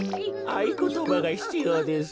あいことばがひつようです。